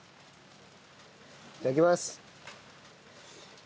いただきます。